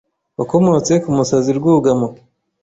Wakomotse ku musazi Rwugamo